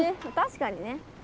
確かにね。